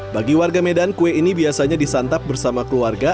bagi warga medan kue ini biasanya disantap bersama keluarga